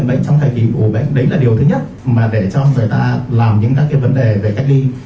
để cho người ta làm những vấn đề về cách ly